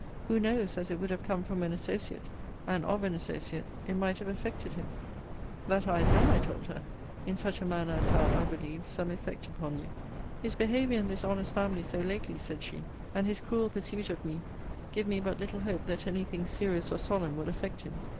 Who knows, as it would have come from an associate, and of an associate, it might have affected him? That I had done, I told her, in such a manner as had, I believed, some effect upon you. His behaviour in this honest family so lately, said she, and his cruel pursuit of me, give me but little hope that any thing serious or solemn will affect him.